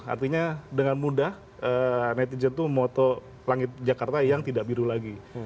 artinya dengan mudah netizen itu moto langit jakarta yang tidak biru lagi